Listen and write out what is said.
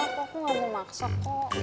kok aku gak mau maksak kok